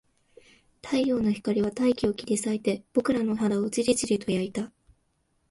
太陽の光は大気を切り裂いて、僕らの肌をじりじりと焼いた